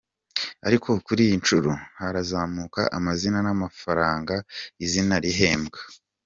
Ariko kuri iyi nshuro, harazamuka amazina n'amafaranga izina rihembwa:.